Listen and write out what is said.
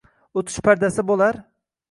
oʼtish pardasi boʼlar